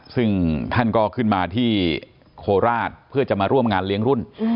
ซึ่งท่านก็ขึ้นมาที่โคราชเพื่อจะมาร่วมงานเลี้ยงรุ่น